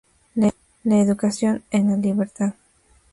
La educación en la libertad.